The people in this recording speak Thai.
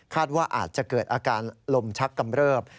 ว่าอาจจะเกิดอาการลมชักกำเริบ